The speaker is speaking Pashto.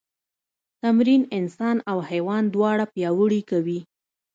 تمرین انسان او حیوان دواړه پیاوړي کوي.